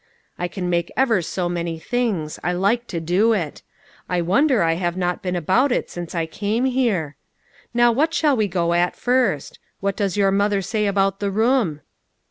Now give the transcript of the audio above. I can make ever so many things. I like to do it. I wonder I have not been about it since I came here. Now what shall we go at first ? What does your mother say about the room